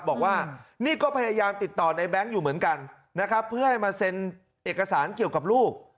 บอกว่านี่ก็พยายามติดต่อในแบงค์อยู่เหมือนกันนะครับเพื่อให้มาเซ็นเอกสารเกี่ยวกับลูก